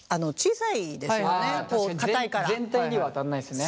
全体にはあたんないですね。